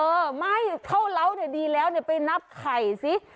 เออไม่เข้าเล้าเนี่ยดีแล้วไปนับไข่สิ